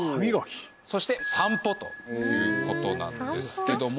そして散歩という事なんですけども。